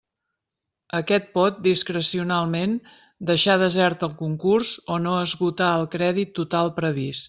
Aquest pot, discrecionalment, deixar desert el concurs o no esgotar el crèdit total previst.